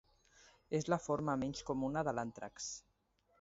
És la forma menys comuna de l'àntrax.